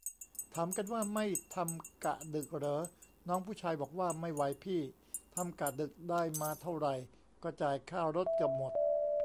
ถามกันว่า ไม่ทำกะดึกเหรอ น้องผู้ชายบอกว่า ไม่ไหวพี่ ทำกะดึกได้มาเท่าไหร่ก็จ่ายค่ารถเกือบหมด